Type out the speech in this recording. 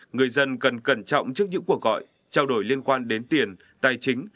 người dân cần cẩn trọng trước những cuộc gọi trao đổi liên quan đến tiền tài chính